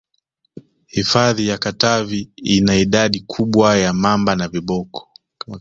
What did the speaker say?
hifadhi ya katavi ina idadi kubwa ya mamba na viboko